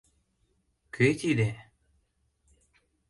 — Кӧ тиде?